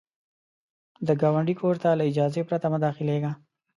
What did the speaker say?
د ګاونډي کور ته له اجازې پرته مه داخلیږه